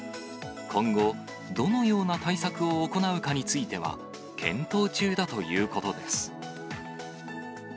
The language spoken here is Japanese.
今後、どのような対策を行うかについては、検討中だということです。